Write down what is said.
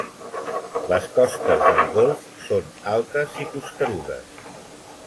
Les costes del golf són altes i costerudes.